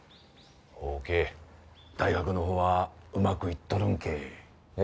ほうけ大学のほうはうまくいっとるんけええ